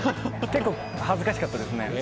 結構恥ずかしかったですね。